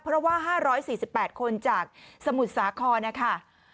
เพราะว่า๕๔๘คนจากสมุทรสาครนะคะ